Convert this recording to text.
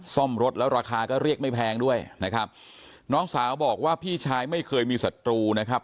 ซ่อมรถแล้วราคาก็เรียกไม่แพงด้วยนะครับน้องสาวบอกว่าพี่ชายไม่เคยมีศัตรูนะครับ